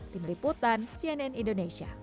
tim liputan cnn indonesia